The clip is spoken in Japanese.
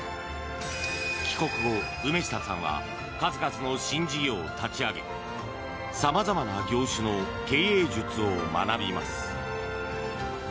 帰国後、梅下さんは数々の新事業を立ち上げさまざまな業種の経営術を学びます。